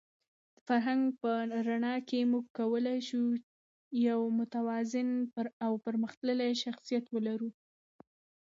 د فرهنګ په رڼا کې موږ کولای شو یو متوازن او پرمختللی شخصیت ولرو.